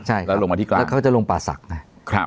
ใช่ครับแล้วลงมาที่กลางแล้วเขาจะลงป่าศักดิ์นะครับ